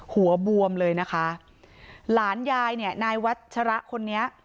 หัวบวมเลยนะคะหลานยายเนี่ยนายวัชระคนนี้